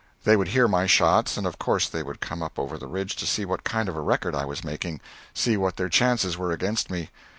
They would hear my shots, and of course they would come up over the ridge to see what kind of a record I was making see what their chances were against me.